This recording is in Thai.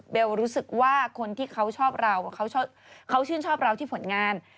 รู้สึกว่าคนที่เขาชอบเราเขาชื่นชอบเราที่ผลงาน